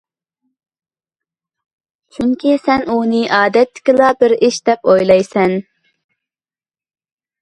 چۈنكى سەن ئۇنى ئادەتتىكىلا بىر ئىش دەپ ئويلايسەن.